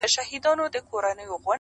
هغه مجبورېږي او حالت يې تر ټولو سخت کيږي